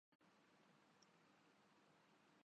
کسی پر مسلط نہیں کیا جاتا۔